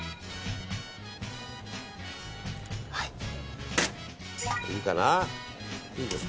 はい、いいかな。